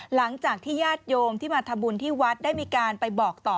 หลังจากที่ญาติโยมที่มาทำบุญที่วัดได้มีการไปบอกต่อ